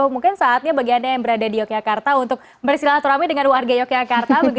mungkin saatnya bagi anda yang berada di yogyakarta untuk bersilaturahmi dengan warga yogyakarta